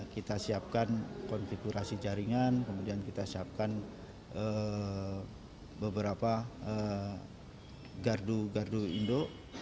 kita siapkan konfigurasi jaringan kemudian kita siapkan beberapa gardu gardu indo